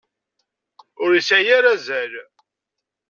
Ur yesɛi ara azal!